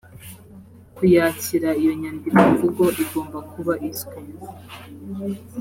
kuyakira iyo nyandikomvugo igomba kuba izwi